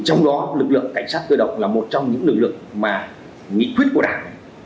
trong đó lực lượng cảnh sát cơ động là một trong những lực lượng mà nghị quyết của đảng